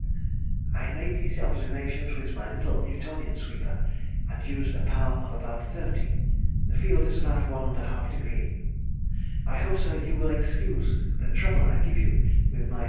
I made these observations with my little Newtonian sweeper, and used a power of about 30: the field is about 1½ degree. I hope, sir, you will excuse the trouble I give you with my wag [_qy.